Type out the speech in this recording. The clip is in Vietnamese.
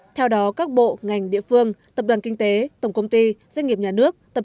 theo đó các bộ ngành địa phương tập đoàn kinh tế tổng công ty doanh nghiệp nhà nước tập